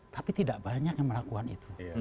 tapi tidak banyak yang melakukan itu